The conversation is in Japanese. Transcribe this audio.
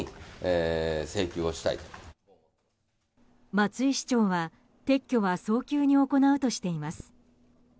松井市長は撤去は早急に行うとしています。